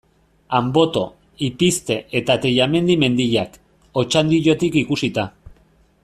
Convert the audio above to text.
Anboto, Ipizte eta Tellamendi mendiak, Otxandiotik ikusita.